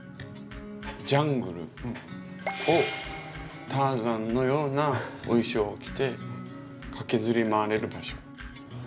ジャングルをターザンのようなお衣装を着て駆けずり回れる場所。